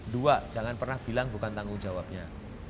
dua jangan pernah bilang bukan tanggung jawabnya